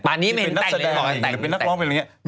อันนี้ไม่เป็นนักแสดงหรือเป็นนักร้องเป็นอะไรอย่างนี้